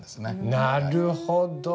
なるほど。